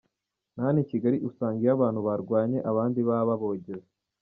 Na hano i Kigali usanga iyo abantu barwanye, abandi baba bogeza.